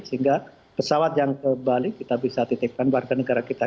sehingga pesawat yang ke bali kita bisa titipkan warga negara kita